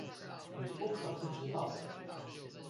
你不可不知道的